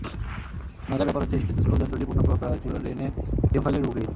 মজার ব্যাপার হচ্ছে, স্টেথোস্কোপ যন্ত্রটি প্রথম প্রয়োগ করা হয়েছিল রেনে থিওফাইলের বুকেই।